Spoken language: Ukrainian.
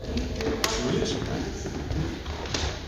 — Чуєш?..